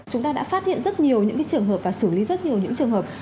chúng ta đã phát hiện rất nhiều những trường hợp và xử lý rất nhiều những trường hợp